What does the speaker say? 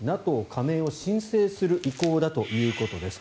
ＮＡＴＯ加盟を申請する意向だということです。